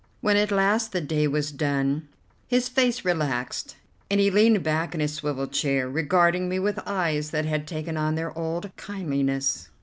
When at last the day was done, his face relaxed, and he leaned back in his swivel chair, regarding me with eyes that had taken on their old kindliness.